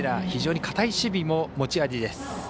非常に堅い守備も持ち味です。